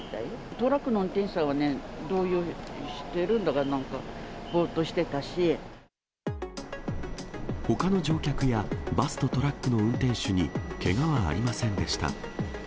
トラックの運転手さんはね、動揺してるんだかなんか、ぼーっほかの乗客や、バスとトラックの運転手にけがはありませんでした。